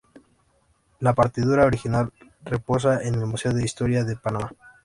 La partitura original reposa en el Museo de Historia de Panamá.